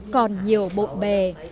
còn nhiều bộ bề